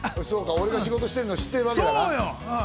俺が仕事してるの知ってるわけだ。